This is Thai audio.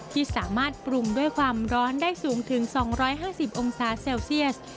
ที่สามารถปรุงด้วยความร้อนได้สูงถึง๒๕๐องศาเซลเซียส